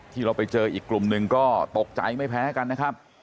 ที่เราไปเจออีกกลุ่มหนึ่งก็ตกใจไม่แพ้กันนะครับ